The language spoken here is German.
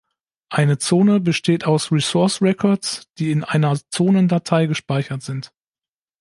Eine Zone besteht aus Resource Records, die in einer Zonendatei gespeichert sind.